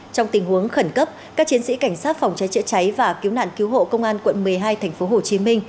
trong tình huống khẩn cấp các chiến sĩ cảnh sát phòng cháy chữa cháy và cứu nạn cứu hộ công an quận một mươi hai tp hcm